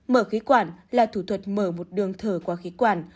mở khí quản là thủ thuật mở một đường thở qua khí quản